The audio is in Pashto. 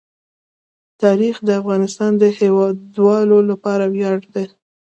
تاریخ د افغانستان د هیوادوالو لپاره ویاړ دی.